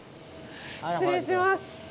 失礼します。